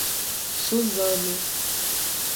Suzano